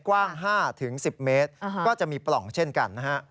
กว้าง๕๑๐เมตรก็จะมีปล่องเช่นกันนะฮะ